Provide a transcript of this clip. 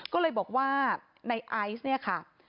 ก็เลยบอกว่าในไอซ์เนี่ยค่ะ